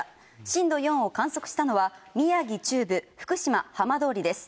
震度４を観測したのは、宮城中部、福島浜通りです。